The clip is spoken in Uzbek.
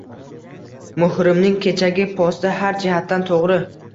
Muhrimning kechagi posti har jihatdan to'g'ri